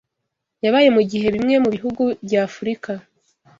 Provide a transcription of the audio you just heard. yabaye mu gihe bimwe mu bihugu by’Afurika